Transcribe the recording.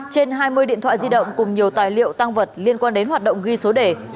trên hai mươi điện thoại di động cùng nhiều tài liệu tăng vật liên quan đến hoạt động ghi số đề